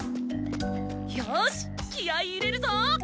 よし気合い入れるぞ！